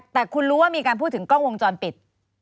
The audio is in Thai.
แต่คุณรู้ว่ามีการพูดถึงกล้องวงจรปิด